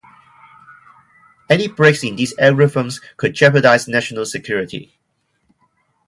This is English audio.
Any breaks in these algorithms could jeopardize national security.